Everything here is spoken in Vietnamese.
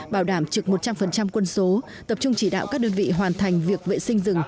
bảo đảm trực một trăm linh quân số tập trung chỉ đạo các đơn vị hoàn thành việc vệ sinh rừng